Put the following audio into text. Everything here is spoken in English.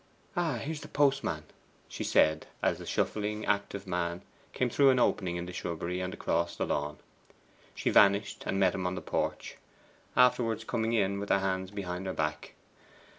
'Ah, here's the postman!' she said, as a shuffling, active man came through an opening in the shrubbery and across the lawn. She vanished, and met him in the porch, afterwards coming in with her hands behind her back.